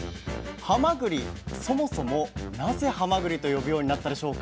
はまぐりそもそもなぜはまぐりと呼ぶようになったでしょうか？